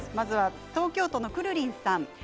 東京都の方です。